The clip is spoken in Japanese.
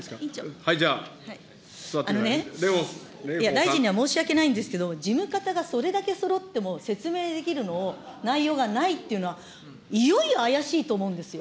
大臣には申し訳ないんですけど、事務方がそれだけそろっても、説明できるのを、内容がないっていうのは、いよいよ怪しいと思うんですよ。